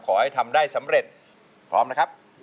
ขอให้ทำได้สำเร็จพร้อมนะครับ